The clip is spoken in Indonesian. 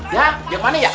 ya yang mana ya